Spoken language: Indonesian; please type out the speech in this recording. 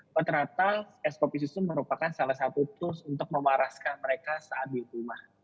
rata rata es kopi susu merupakan salah satu tools untuk memaraskan mereka saat di rumah